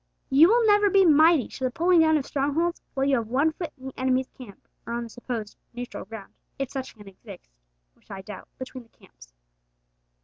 You will never be mighty to the pulling down of strongholds while you have one foot in the enemy's camp, or on the supposed neutral ground, if such can exist (which I doubt), between the camps.